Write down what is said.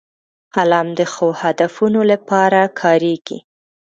قلم د ښو هدفونو لپاره کارېږي